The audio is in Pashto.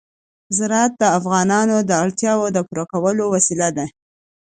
زراعت د افغانانو د اړتیاوو د پوره کولو وسیله ده.